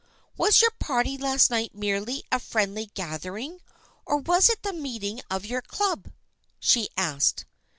" Was your party last night merely a friendly gathering, or was it the meeting of your Club ?" she asked.